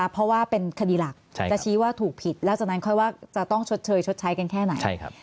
เพราะว่าเป็นคดีหลักจะชี้ว่าถูกผิดแล้วจากนั้นค่อยว่าจะต้องชดเชยชดใช้กันแค่ไหน